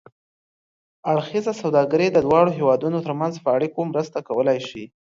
اړخیزه سوداګري د دواړو هېوادونو ترمنځ په اړیکو کې مرسته کولای شي.